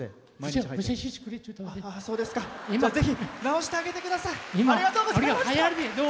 直してあげてください。